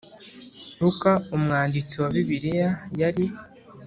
Luka umwanditsi wa Bibiliya yari